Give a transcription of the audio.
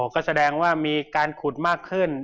ก็แสดงว่ามีการขุดมากขึ้น